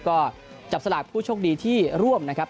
ก็จับสลากผู้โชคดีที่ร่วมนะครับ